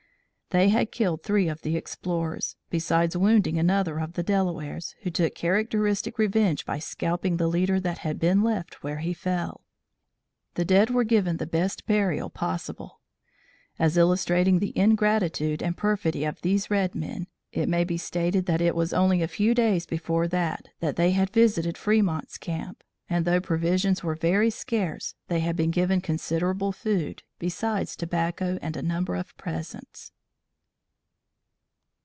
They had killed three of the explorers, besides wounding another of the Delawares, who took characteristic revenge by scalping the leader that had been left where he fell. The dead were given the best burial possible. As illustrating the ingratitude and perfidy of these red men, it may be stated that it was only a few days before that they had visited Fremont's camp, and, though provisions were very scarce, they had been given considerable food, besides tobacco and a number of presents.